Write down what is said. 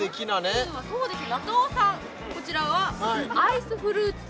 まずそうですね